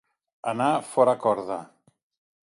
Anar fora corda.